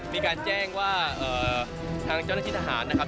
มีการแจ้งว่าทางเจ้าหน้าที่ทหารนะครับ